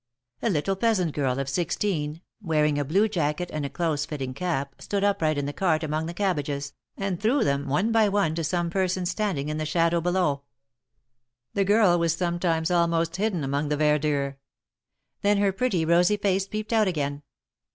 A little peasant girl of sixteen, wearing a blue jacket and close fitting cap, stood upright in the cart among the cabbages, and threw them one by one to some person standing in the shadow below. The girl was sometimes almost hidden among the ver dure. Then her pretty, rosy face peeped out again.